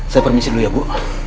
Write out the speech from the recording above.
saya permisi dulu ya bu